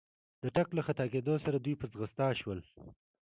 د ټک له خطا کېدو سره دوی په ځغستا شول.